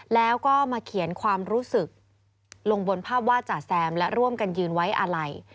แล้วก็มาเขียนความรู้สึกลงบนภาพว่าจ่าแซมและร่วมกันยืนไว้อาลัย